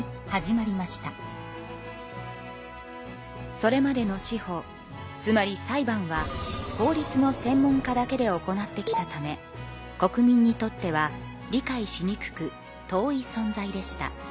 それまでの司法つまり裁判は法律の専門家だけで行ってきたため国民にとっては理解しにくく遠い存在でした。